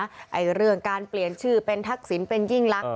ไอ้เรื่องการเปลี่ยนชื่อเป็นทักษิณเป็นยิ่งลักษณ